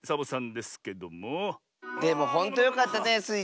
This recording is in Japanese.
でもほんとよかったねスイ